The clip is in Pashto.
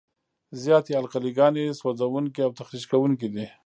زیاتې القلي ګانې سوځونکي او تخریش کوونکي دي.